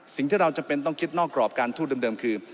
สิ่งที่เราจำเป็นต้องคิดนอกกรอบการทูตเดิมคือ